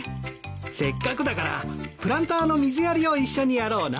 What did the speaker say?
せっかくだからプランターの水やりを一緒にやろうな。